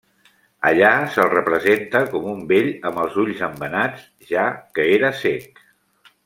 Allà se'l representa com un vell amb els ulls embenats, ja que era cec.